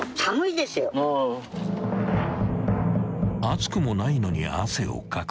［暑くもないのに汗をかく］